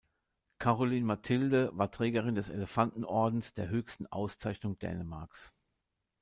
Caroline Mathilde war Trägerin des Elefanten-Ordens, der höchsten Auszeichnung Dänemarks.